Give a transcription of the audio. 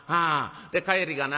で帰りがな